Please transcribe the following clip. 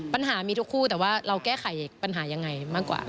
ปัญหามีทุกคู่แต่ว่าเราแก้ไขปัญหายังไงมากกว่า